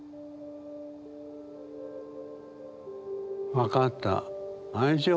分かった。